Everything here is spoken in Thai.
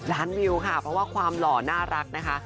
ล้านวิวค่ะเพราะว่าความหล่อน่ารักนะคะ